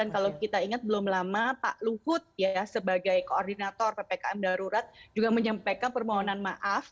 kalau kita ingat belum lama pak luhut sebagai koordinator ppkm darurat juga menyampaikan permohonan maaf